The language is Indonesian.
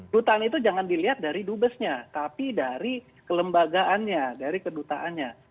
dutaan itu jangan dilihat dari dubesnya tapi dari kelembagaannya dari kedutaannya